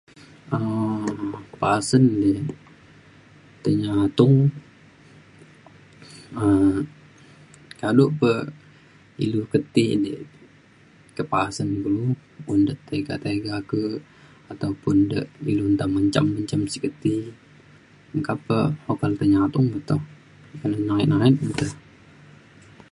um pasen di tai nyatung um kado pe ilu ke ti di ke pasen kulu. un de tiga tiga ke ataupun de ilu nta menjam menjam siget ti meka pe okak le tai nyatung le toh ilu nayet nayet le te.